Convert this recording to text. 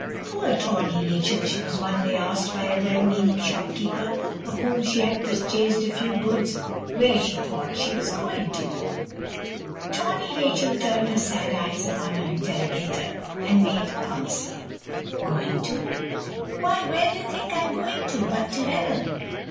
Poor "Tawny Rachel!" She was one day asked by a well meaning shopkeeper, of whom she had purchased a few goods, where she thought she was going to? "Tawny Rachel" turned her sad eyes upon her interrogator, and made answer:— "Going to? why where do you think I'm going to, but to Heaven?